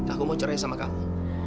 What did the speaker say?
aku mau cerai sama kamu